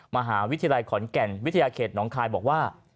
มหาวิทยาลัยขอนแก่นวิทยาเขตน้องคายบอกว่า